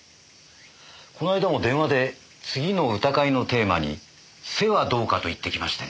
この間も電話で次の歌会のテーマに「背」はどうかと言ってきましてね。